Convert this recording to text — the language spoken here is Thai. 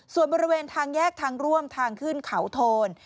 ส่วนบริเวณทางแยกทางร่วมทางขึ้นเขาโทน